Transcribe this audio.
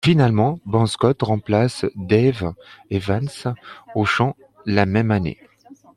Finalement, Bon Scott remplace Dave Evans au chant la même année.